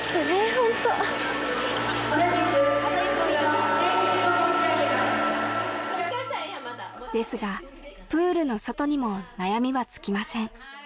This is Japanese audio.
ホントあと１本ですがプールの外にも悩みは尽きません